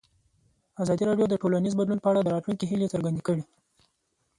ازادي راډیو د ټولنیز بدلون په اړه د راتلونکي هیلې څرګندې کړې.